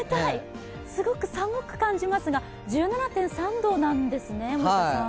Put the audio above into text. すごく寒く感じますが、１７．３度なんですね、森田さん。